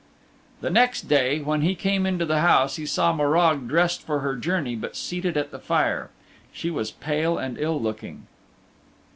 The next day when he came into the house he saw Morag dressed for her journey but seated at the fire. She was pale and ill looking.